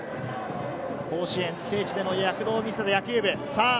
甲子園、聖地での躍動を見せた野球部。